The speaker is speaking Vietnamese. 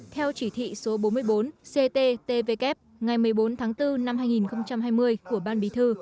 theo chỉ thị số bốn mươi bốn cttvk ngày một mươi bốn tháng bốn năm hai nghìn hai mươi của ban bí thư